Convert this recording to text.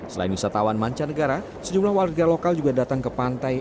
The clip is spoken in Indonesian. selain wisatawan mancanegara sejumlah warga lokal juga datang ke pantai